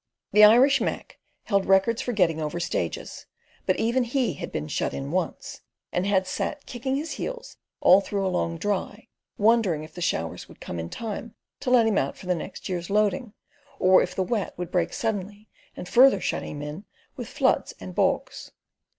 The Irish Mac held records for getting over stages; but even he had been "shut in" once, and had sat kicking his heels all through a long Dry, wondering if the showers would come in time to let him out for the next year's loading, or if the Wet would break suddenly, and further shut him in with floods and bogs.